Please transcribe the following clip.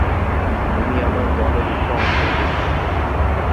আমি আবার দলের একটা অংশ হতে চাই।